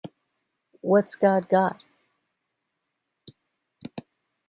What's God got?